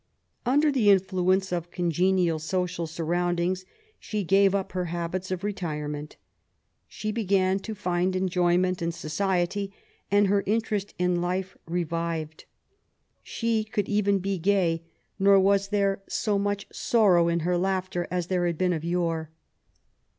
Under the influence of congenial social surroundings she gave up her habits of retirement. She began to find enjoyment in society, and her interest in life re vived. She could even be gay, nor was there so much 80 MAEY W0LL8T0NEGBAFT GODWIN. sorrow in her laughter as there had been of yore.